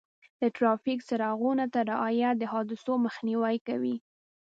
د ټرافیک څراغونو ته رعایت د حادثو مخنیوی کوي.